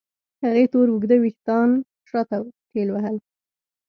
هغې تور اوږده وېښتان شاته ټېلوهل.